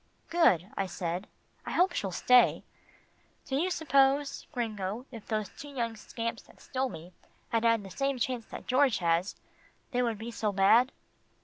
"Good," I said, "I hope she'll stay. Do you suppose, Gringo, if those two young scamps that stole me had had the same chance that George has, they would be so bad?"